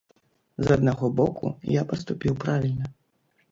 З аднаго боку, я паступіў правільна.